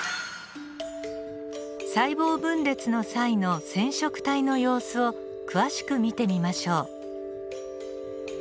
細胞分裂の際の染色体の様子を詳しく見てみましょう。